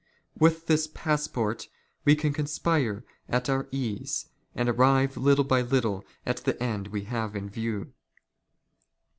" With this passport we can conspire at our ease, and arrive little " by little at the end we have in view.